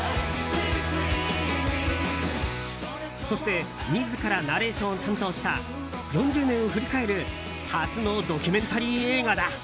そして自らナレーションを担当した４０年を振り返る初のドキュメンタリー映画だ。